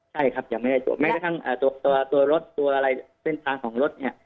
ใช่ครับยังไม่ได้จบแม้กระทั่งตัวตัวรถตัวอะไรเส้นทางของรถเนี่ย